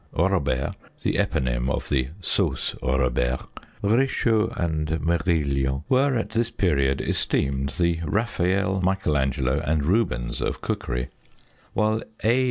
Robert (the eponym of the sauce Robert), Rechaud and Merillion were at this period esteemed the Raphael, Michelangelo and Rubens of cookery; while A.